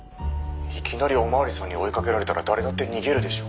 「いきなりお巡りさんに追いかけられたら誰だって逃げるでしょ」